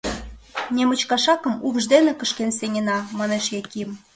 Немыч кашакым упш дене кышкен сеҥена, манеш Яким.